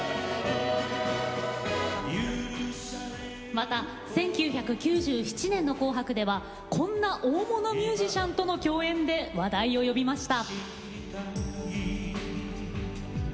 また１９９７年の「紅白」ではこんな大物ミュージシャンとの共演で話題を呼びました。